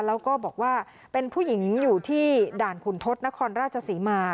แล้วก็บอกว่าเป็นผู้หญิงอยู่ที่ด่านขุนทศนครราชศรีมา